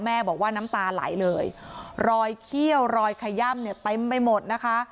แม่บอกว่าน้ำตาไหลเลยรอยเขี้ยวรอยขย่ำเนี่ยเต็มไปหมดนะคะ